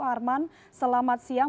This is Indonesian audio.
arman selamat siang